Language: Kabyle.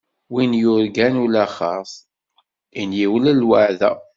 Win yurgan ulaxeṛt, iniwel lweɛda!